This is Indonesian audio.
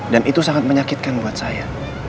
dan itu sangat menyakitkan buat saya